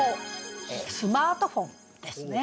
スマートフォンですね。